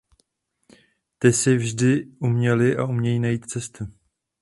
Ti si vždy uměli a umějí najít cestu.